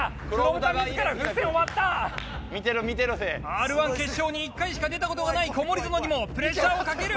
Ｒ−１決勝に１回しか出た事がない小森園にもプレッシャーをかける！